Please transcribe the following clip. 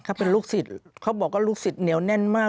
เขาเป็นลูกศิษย์เขาบอกว่าลูกศิษย์เหนียวแน่นมาก